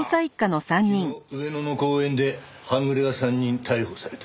昨日上野の公園で半グレが３人逮捕された。